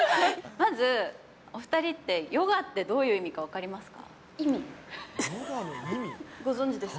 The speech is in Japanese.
まず、お２人ってヨガってどういう意味か分かりますか？